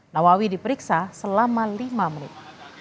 nawawi diperiksa selama lima menit